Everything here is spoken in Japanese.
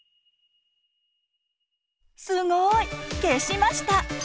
すごい！消しました。